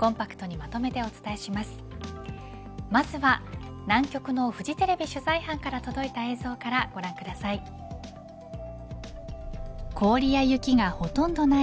まずは南極のフジテレビ取材班から届いた映像からご覧ください。